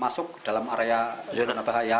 masuk dalam area yonabaya